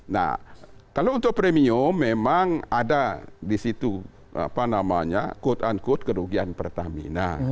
nah kalau untuk premium memang ada di situ apa namanya quote unquote kerugian pertamina